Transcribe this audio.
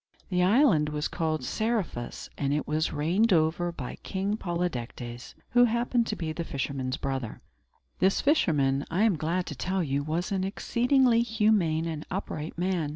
The island was called Seriphus, and it was reigned over by King Polydectes, who happened to be the fisherman's brother. This fisherman, I am glad to tell you, was an exceedingly humane and upright man.